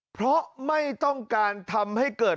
เพราะไม่ต้องการทำให้เกิด